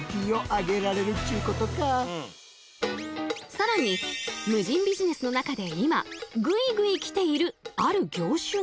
更に無人ビジネスの中で今グイグイ来ているある業種が。